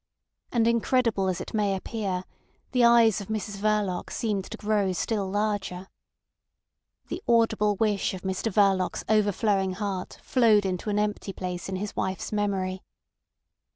And incredible as it may appear, the eyes of Mrs Verloc seemed to grow still larger. The audible wish of Mr Verloc's overflowing heart flowed into an empty place in his wife's memory.